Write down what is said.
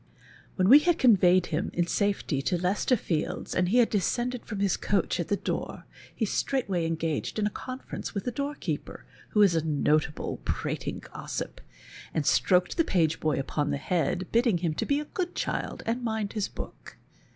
When we had eon\oyed him in safety to Leicester IS SIR ROGER AT RUSSIAN BALLET Fields, and he had descended from his coach at the door, he straifrhtway engaged in a conference with the door keeper, who is a notable prating gossip, and stroak'd the page boy upon the head, bidding him be a good child and mind his book.